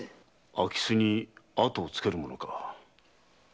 空き巣に後をつける者か。